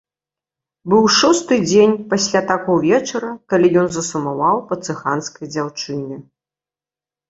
Быў шосты дзень пасля таго вечара, калі ён засумаваў па цыганскай дзяўчыне.